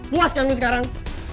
puas kan lu sekarang